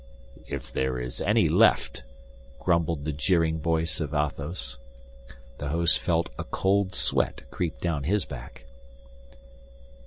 "If there is any left," grumbled the jeering voice of Athos. The host felt a cold sweat creep down his back.